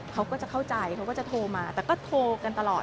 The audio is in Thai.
เขาก็จะเข้าใจเขาก็จะโทรมาแต่ก็โทรกันตลอด